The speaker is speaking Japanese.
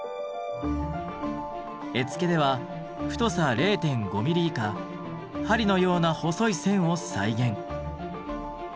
絵付けでは太さ０．５ミリ以下針のような細い線を再現。